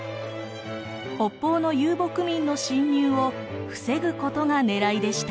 北方の遊牧民の侵入を防ぐことがねらいでした。